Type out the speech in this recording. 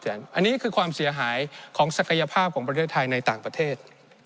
อันนี้คือความเสียหายของศักยภาพของประเทศไทยในต่างประเทศ